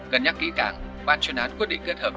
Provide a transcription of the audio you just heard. cân nhắc kỹ càng ban chuyên án quyết định kết hợp